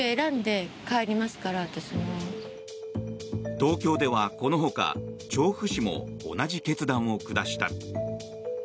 東京では、このほか調布市も同じ決断を下した。